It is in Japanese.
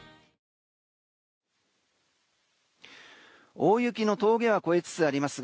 大雪の峠は越えつつありますが